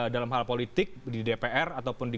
dalam hal politik di dpr ataupun di